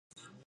昨日遊んだ